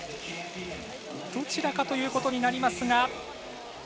どちらかということになりますが。